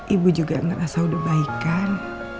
ibu juga gak rasa udah baik kan